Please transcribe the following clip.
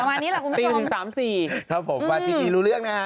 ประมาณนี้แหละคุณผู้ชมสี่สามสี่ครับผมวันที่นี้รู้เรื่องนะฮะ